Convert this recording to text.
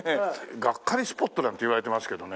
ガッカリスポットなんて言われてますけどね。